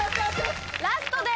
ラストです！